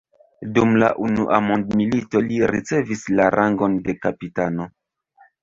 Dum la unua mondmilito li ricevis la rangon de kapitano.